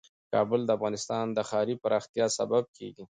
کابل د افغانستان د ښاري پراختیا سبب کېږي.